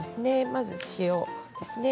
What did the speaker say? まず塩ですね。